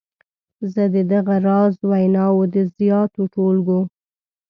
زه د دغه راز ویناوو د زیاتو ټولګو.